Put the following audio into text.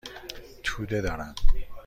توده دارم.